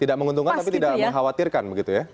tidak menguntungkan tapi tidak mengkhawatirkan begitu ya